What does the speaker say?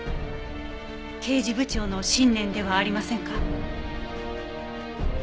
刑事部長の信念ではありませんか？